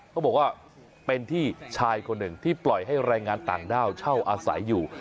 เขาบอกว่าเป็นที่ชายคนหนึ่งที่ปล่อยให้แรงงานต่างด้าวเช่าอาศัยอยู่